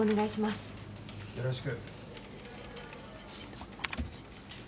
よろしく。